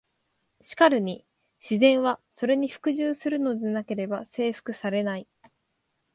しかるに「自然は、それに服従するのでなければ征服されない」。